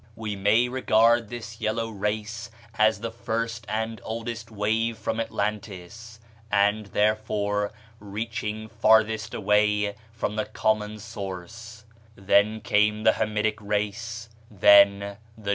We may regard this yellow race as the first and oldest wave from Atlantis, and, therefore, reaching farthest away from the common source; then came the Hamitic race; then the Japhetic.